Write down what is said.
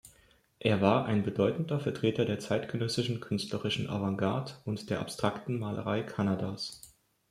Er war ein bedeutender Vertreter der zeitgenössischen künstlerischen Avantgarde und der Abstrakten Malerei Kanadas.